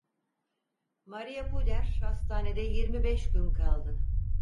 Maria Puder, hastanede yirmi beş gün kaldı.